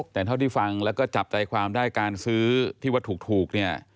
แต่เท่าที่ฟังแล้วก็จับใจความได้การซื้อที่วัตถุเนี่ย